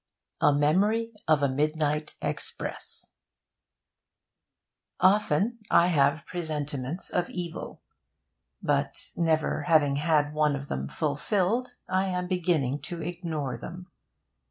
A MEMORY OF A MIDNIGHT EXPRESS Often I have presentiments of evil; but, never having had one of them fulfilled, I am beginning to ignore them.